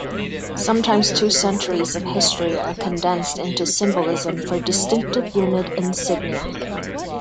Sometimes two centuries of history are condensed into symbolism for distinctive unit insignia.